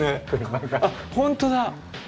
あほんとだ。